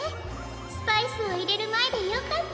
スパイスをいれるまえでよかった！